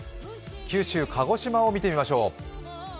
九州・鹿児島を見てみましょう。